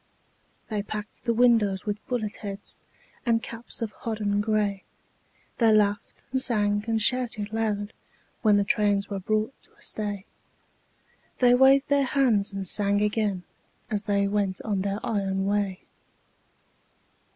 They packed the windows with bullet heads And caps of hodden gray; They laughed and sang and shouted loud When the trains were brought to a stay; They waved their hands and sang again As they went on their iron way.